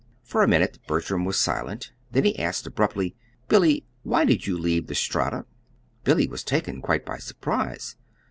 For a minute Bertram was silent, then he asked abruptly: "Billy, why did you leave the Strata?" Billy was taken quite by surprise.